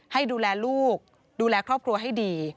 ให้ดูแลลูกดูแลครอบครัวให้ดี